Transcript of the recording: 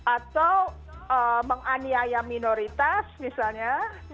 atau menganiaya minoritas misalnya